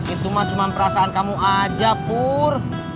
itu mah cuma perasaan kamu aja pur